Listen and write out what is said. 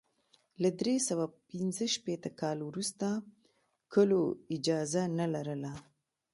له درې سوه پنځه شپېته کال وروسته کلو اجازه نه لرله.